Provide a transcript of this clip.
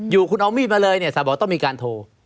อยู่คุณเอามีดมาเลยเนี่ยสาวบอกต้องมีการโทร